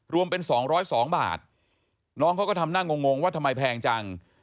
รวมเป็น๒๐๒บาทน้องเขาก็ทำหน้างงว่าทำไมแพงจัง